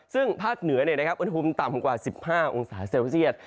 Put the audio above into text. ซึ่งภาคเหนือเนี่ยนะครับอุณหภูมิต่ำกว่า๑๕องศาเซลเซียส